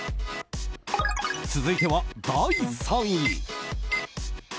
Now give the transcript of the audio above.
続いては第３位。